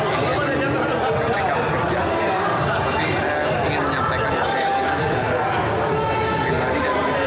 ini adalah pekerjaan pekerjaan yang lebih saya ingin menyampaikan oleh hati hati